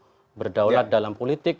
drisakti boomkarno berdaulat dalam politik